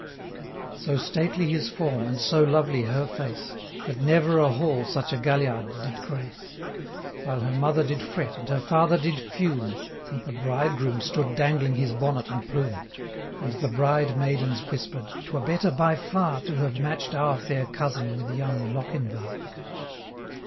So stately his form, and so lovely her face, That never a hall such a galliard did grace; While her mother did fret, and her father did fume, 345 And the bridegroom stood dangling his bonnet and plume; And the bride maidens whisper'd, ''Twere better by far, To have match'd our fair cousin with young Lochinvar.'